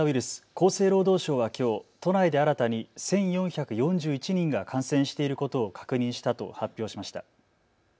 厚生労働省はきょう都内で新たに１４４１人が感染していることを確認したと発表しました。